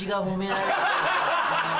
ハハハ！